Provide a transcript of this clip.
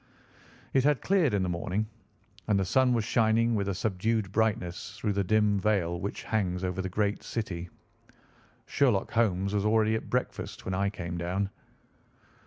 It had cleared in the morning, and the sun was shining with a subdued brightness through the dim veil which hangs over the great city. Sherlock Holmes was already at breakfast when I came down.